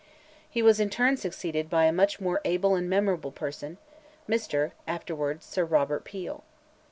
He was in turn succeeded by a much more able and memorable person—Mr., afterwards Sir Robert Peel.